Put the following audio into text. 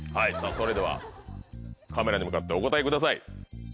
それではカメラに向かってお答えください。